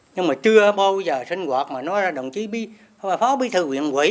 nhưng mà chưa bao giờ sinh hoạt mà nói là đồng chí phó bí thư quyền quỷ